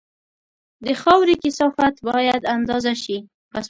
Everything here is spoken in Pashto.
د خاورې کثافت باید اندازه شي